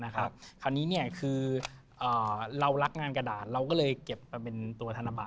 คราวนี้คือเรารักงานกระดาษเราก็เลยเก็บมาเป็นตัวธนบัต